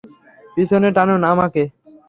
পিছনে টানুন আমাকে!